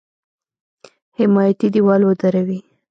حمایتي دېوال ودروي.